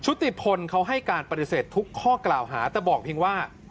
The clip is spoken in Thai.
ติพลเขาให้การปฏิเสธทุกข้อกล่าวหาแต่บอกเพียงว่า